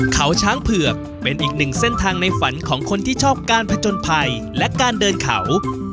เขาช้างเผือกเป็นอีกหนึ่งเส้นทางในฝันของคนที่ชอบการผจญภัยและการเดินเขา